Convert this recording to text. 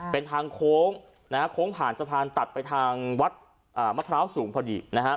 เป็นทางโค้งโค้งผ่านสะพานตัดไปทางวัดมะพร้าวสูงพอดีนะฮะ